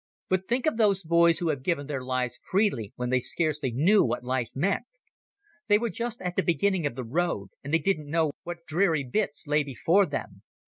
But think of those boys who have given their lives freely when they scarcely knew what life meant. They were just at the beginning of the road, and they didn't know what dreary bits lay before them.